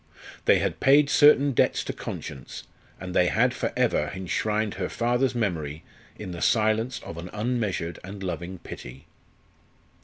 They had paid certain debts to conscience, and they had for ever enshrined her father's memory in the silence of an unmeasured and loving pity.